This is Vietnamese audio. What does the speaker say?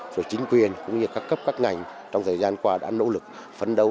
rồi chính quyền cũng như các cấp các ngành trong thời gian qua đã nỗ lực phấn đấu